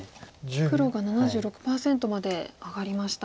黒が７６％まで上がりました。